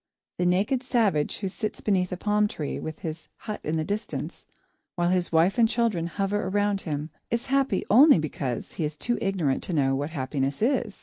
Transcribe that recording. The naked savage who sits beneath a palm tree, with his hut in the distance, while his wife and children hover around him, is happy only because he is too ignorant to know what happiness is.